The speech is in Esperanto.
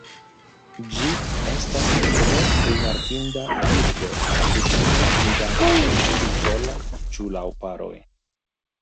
Ĝi estas tre rimarkinda birdo kutime vidata ĉu sola ĉu laŭ paroj.